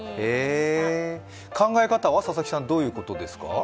考え方は佐々木さん、どういうことですか？